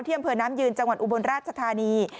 อำเภอน้ำยืนจังหวัดอุบลราชธานี